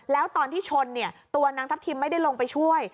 แล้วตอนที่ชนตัวนางทัพทิมไม่ได้ลงไปช่วย